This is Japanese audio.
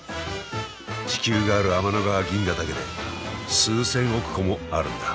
地球がある天の川銀河だけで数千億個もあるんだ。